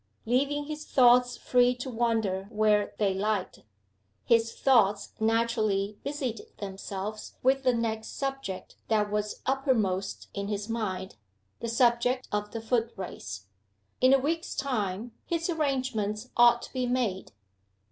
Leaving his thoughts free to wander where they liked, his thoughts naturally busied themselves with the next subject that was uppermost in his mind, the subject of the Foot Race. In a week's time his arrangements ought to be made.